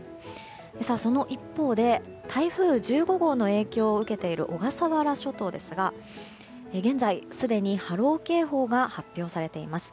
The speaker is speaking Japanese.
その一方で台風１５号の影響を受けている小笠原諸島ですが現在、すでに波浪警報が発表されています。